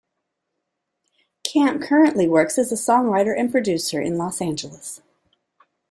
Camp currently works as a songwriter and producer in Los Angeles.